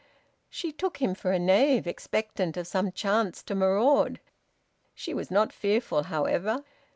She took him for a knave expectant of some chance to maraud. She was not fearful, however.